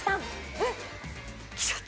えっ！